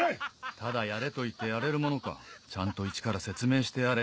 ただやれと言ってやれるものかちゃんとイチから説明してやれ。